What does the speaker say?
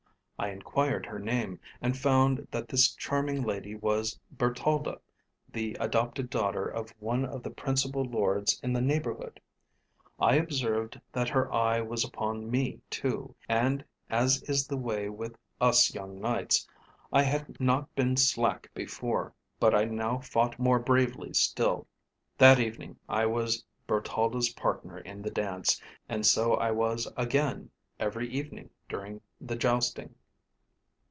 I inquired her name, and found that this charming lady was Bertalda, the adopted daughter of one of the principal lords in the neighbourhood. I observed that her eye was upon me too, and as is the way with us young knights, I had not been slack before, but I now fought more bravely still. That evening I was Bertalda's partner in the dance, and so I was again every evening during the jousting."